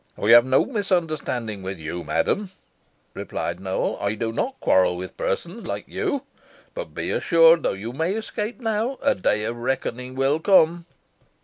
"I have no misunderstanding with you, madam," replied Nowell; "I do not quarrel with persons like you. But be assured, though you may escape now, a day of reckoning will come."